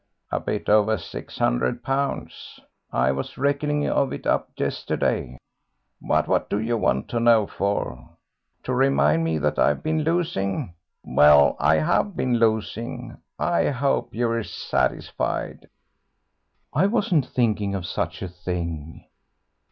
"A bit over six hundred pounds. I was reckoning of it up yesterday. But what do you want to know for? To remind me that I've been losing. Well, I have been losing. I hope you're satisfied." "I wasn't thinking of such a thing."